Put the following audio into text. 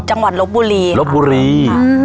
จังหวัดลบบุรีลบบุรี